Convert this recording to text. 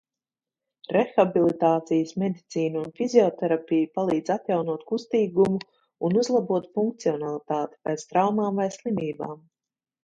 Rehabilitācijas medicīna un fizioterapija palīdz atjaunot kustīgumu un uzlabot funkcionalitāti pēc traumām vai slimībām.